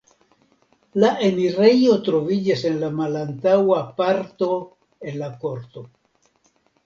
La enirejo troviĝas en malantaŭa parto el la korto.